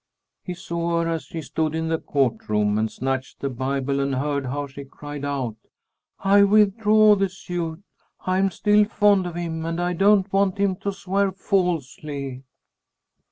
He saw her as she stood in the court room and snatched the Bible, and heard how she cried out: "I withdraw the suit. I am still fond of him and I don't want him to swear falsely."